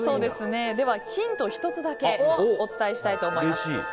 ヒントを１つだけお伝えしたいと思います。